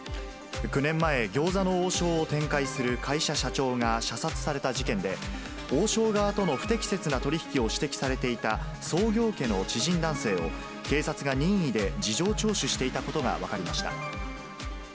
９年前、餃子の王将を展開する会社社長が射殺された事件で、王将側との不適切な取り引きを指摘されていた創業家の知人男性を、警察が任意で事情聴取していたことが分かりました。